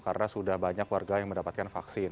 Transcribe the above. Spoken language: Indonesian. karena sudah banyak warga yang mendapatkan vaksin